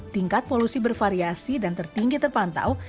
tingkat polusi bervariasi dan tertinggi terpantau